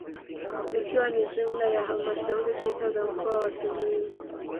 Zikiwa ni jumla ya halmashauri sita za mkoa wa Simiyu